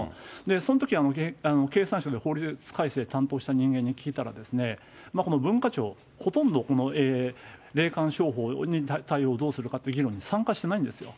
そのとき、経産省で法律改正担当した人間に聞いたら、この文化庁、ほとんどこの、霊感商法の対応、どうするかっていう議論に参加していないんですよ。